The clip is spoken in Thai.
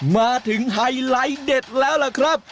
มาถึงไฮไลท์เด็ดแล้วล่ะครับ